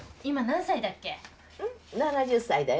今何歳だっけ？